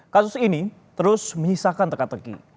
kasus ini terus menyisakan teka teki